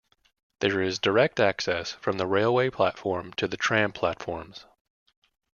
There is direct access from the railway platform to the tram platforms.